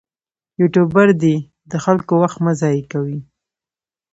یوټوبر دې د خلکو وخت مه ضایع کوي.